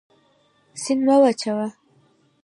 سیند مه وچوه.